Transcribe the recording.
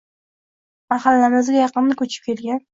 Mahallamizga yaqinda koʻchib kelgan